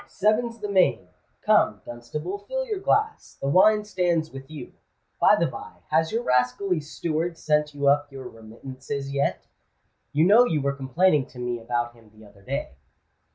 "Seven's the main. Come, Dunstable, fill your glass: the wine stands with you. By the by, has your rascally steward sent you up your remittances yet? You know you were complaining to me about him the other day."